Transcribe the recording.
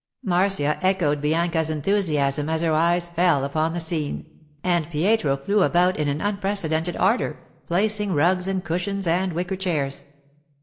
Marcia echoed Bianca's enthusiasm as her eyes fell upon the scene, and Pietro flew about with an unprecedented ardour, placing rugs and cushions and wicker chairs.